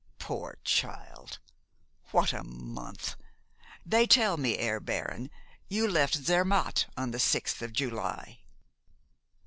Poor child! What a month! They tell me, Herr Baron, you left Zermatt on the sixth of July?"